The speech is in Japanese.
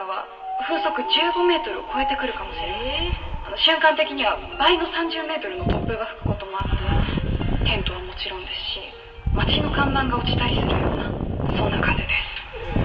瞬間的には倍の３０メートルの突風が吹くこともあってテントはもちろんですし町の看板が落ちたりするようなそんな風です。